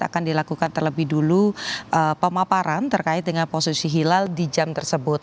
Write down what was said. akan dilakukan terlebih dulu pemaparan terkait dengan posisi hilal di jam tersebut